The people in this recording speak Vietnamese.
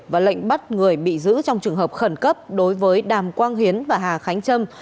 và lệnh bắt người bị giữ trong trường hợp khẩn cấp đối với đàm quang hiến và hà khánh trâm